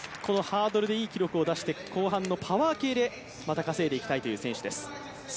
ハードルでいい成績を出して、後半のパワー系で稼いでいきたいという選手です。